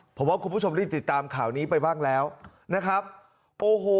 ผมว่าคุณผู้ชมได้ติดตามข่าวนี้ไปบ้างแล้วนะครับโอ้โห